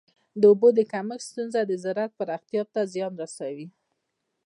د اوبو د کمښت ستونزه د زراعت پراختیا ته زیان رسوي.